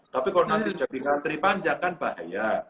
tapi kalau nanti jadi ngantri panjang kan bahaya